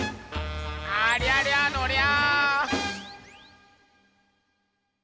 ありゃりゃのりゃ！